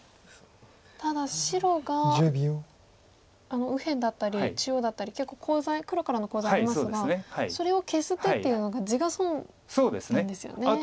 ただ白が右辺だったり中央だったり結構黒からのコウ材ありますがそれを消す手っていうのが地が損なんですよね。